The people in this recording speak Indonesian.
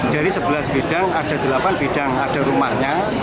dari sebelas bidang ada delapan bidang ada rumahnya